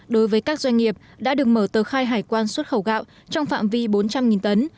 đối với các doanh nghiệp đã được mở tờ khai hải quan xuất khẩu gạo trong phạm vi bốn trăm linh tấn